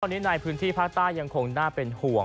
ตอนนี้ในพื้นที่ภาคใต้ยังคงน่าเป็นห่วง